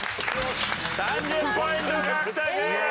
３０ポイント獲得！